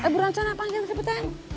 berancun apaan jangan sepetan